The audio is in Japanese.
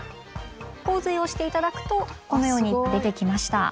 「洪水」を押していただくとこのように出てきました。